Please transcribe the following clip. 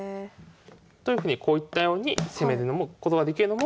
というふうにこういったように攻めることができるのも坂田流の魅力の一つですね。